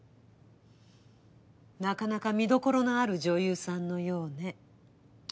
なかなか見どころのある女優さんのようね。